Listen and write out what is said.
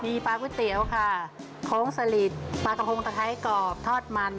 มีปลาก๋วยเตี๋ยวค่ะโค้งสลิดปลากระพงตะไคร้กรอบทอดมัน